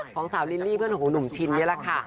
ของสาวลิลลี่เพื่อนของหนุ่มชินนี่แหละค่ะ